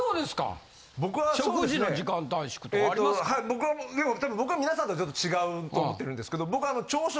僕はでもたぶん僕は皆さんとはちょっと違うと思ってるんけど僕。